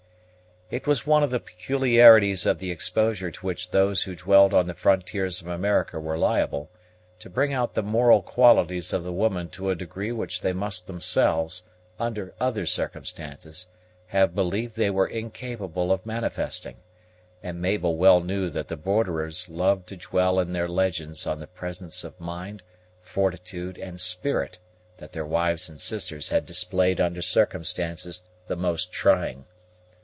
It was one of the peculiarities of the exposure to which those who dwelt on the frontiers of America were liable, to bring out the moral qualities of the women to a degree which they must themselves, under other circumstances, have believed they were incapable of manifesting; and Mabel well knew that the borderers loved to dwell in their legends on the presence of mind, fortitude, and spirit that their wives and sisters had displayed under circumstances the most trying.